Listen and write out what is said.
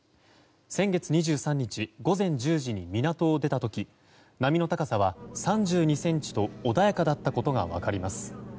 先月２３日午前１０時に港を出た時波の高さは３２ｃｍと穏やかだったことが分かります。